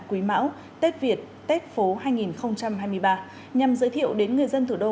quý mão tết việt tết phố hai nghìn hai mươi ba nhằm giới thiệu đến người dân thủ đô